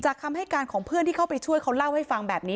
คำให้การของเพื่อนที่เข้าไปช่วยเขาเล่าให้ฟังแบบนี้